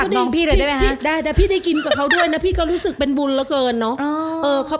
ได้แต่พี่ได้กินกับเขาด้วยนะพี่ก็รู้สึกเป็นบุญตเหอะ